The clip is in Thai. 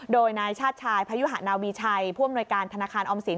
โดยนายชาติชายพยุหานาวีชัยผู้อำนวยการธนาคารออมสิน